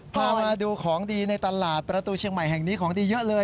พามาดูของดีในตลาดประตูเชียงใหม่แห่งนี้ของดีเยอะเลย